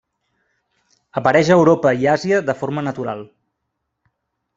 Apareix a Europa i Àsia de forma natural.